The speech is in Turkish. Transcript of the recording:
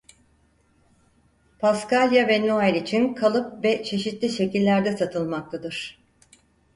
Paskalya ve Noel için kalıp ve çeşitli şekillerde satılmaktadır.